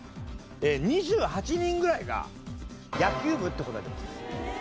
２８人ぐらいが野球部って答えてます。